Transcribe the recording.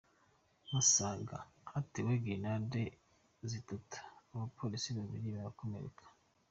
Musaga: Hatewe grenade zitatu, abapolisi babiri barakomereka.